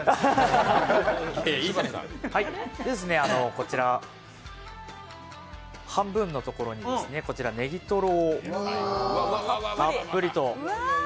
こちら、半分のところにネギトロをたっぷりと。